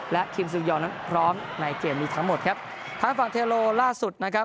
และทีมซิลยองนั้นพร้อมในเกมนี้ทั้งหมดครับทางฝั่งเทโลล่าสุดนะครับ